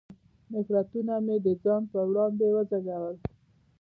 نفرتونه مې د ځان پر وړاندې وزېږول.